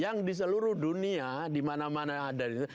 yang diseluruh dunia dimana mana ada itu